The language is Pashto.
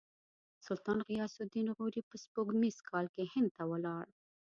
سلطان غیاث الدین غوري په سپوږمیز کال کې هند ته ولاړ.